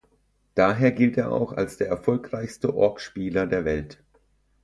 Daher gilt er auch als der erfolgreichste Orc-Spieler der Welt.